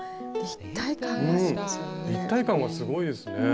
立体感がすごいですね。